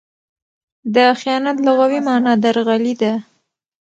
د خیانت لغوي مانا؛ درغلي ده.